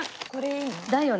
だよね。